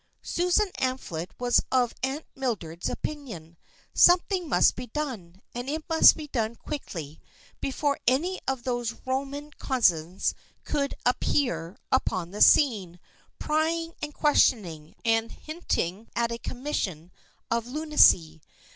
Susan Amphlett was of Aunt Mildred's opinion. Something must be done, and it must be done quickly, before any of those Roman cousins could appear upon the scene, prying and questioning, and hinting at a commission of lunacy.